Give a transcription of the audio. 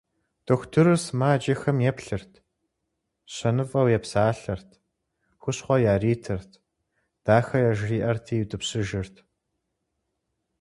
Дохутырыр сымаджэхэм еплъырт, щэныфӀэу епсалъэрт, хущхъуэ яритырт, дахэ яжриӀэрти иутӀыпщыжырт.